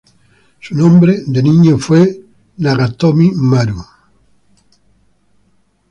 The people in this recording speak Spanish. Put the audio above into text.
Su nombre de niño fue Nagatomi-maru.